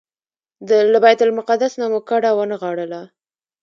له بیت المقدس نه مو کډه ونغاړله.